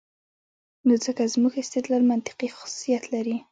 نو ځکه زموږ استدلال منطقي خصوصیت لري.